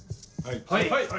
はい。